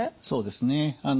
そうですね。